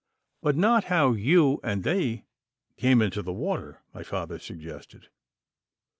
'But not how you and they came into the water,' my father suggested.